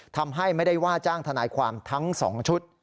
ทำให้ไม่ได้ว่าจ้างทนายความทั้ง๒ชุด